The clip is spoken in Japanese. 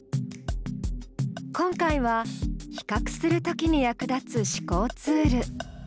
今回は「比較するとき」に役立つ思考ツール。